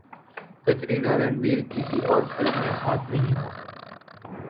کترینہ رنبیر کسی اور فلم میں ساتھ نہیں ہوں گے